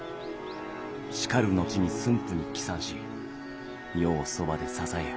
しかる後に駿府に帰参し余をそばで支えよ」。